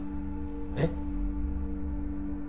えっ？